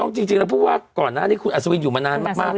จริงแหละภูปว่าก่อนแน่นี่คุณอัสวินอยู่มานานมาก